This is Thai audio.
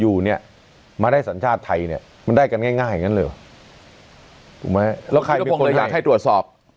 ถูกมั้ยแล้วใครตรวจสอบ